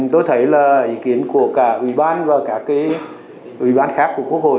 tôi thấy là ý kiến của cả ủy ban và các ủy ban khác của quốc hội